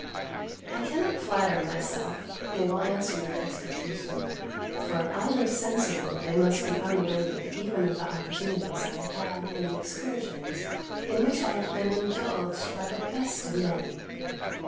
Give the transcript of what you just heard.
I cannot flatter myself they will answer your expectation; for I am sensible they must be unworthy even of the opportunities I have had in the excursions, in which I have been indulged by the best of men.